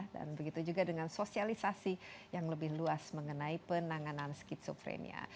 dan begitu juga dengan sosialisasi yang lebih luas mengenai penanganan skizofrenia